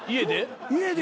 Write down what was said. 家で？